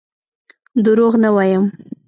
دروغ نه وایم.